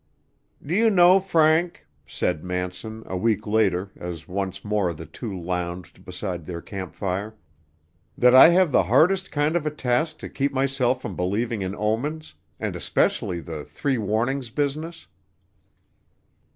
"Do you know, Frank," said Manson, a week later, as once more the two lounged beside their camp fire, "that I have the hardest kind of a task to keep myself from believing in omens, and especially the 'three warnings' business?